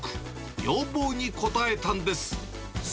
要望に応えたんです。